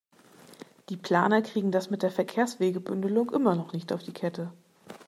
Die Planer kriegen das mit der Verkehrswegebündelung immer noch nicht auf die Kette.